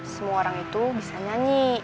semua orang itu bisa nyanyi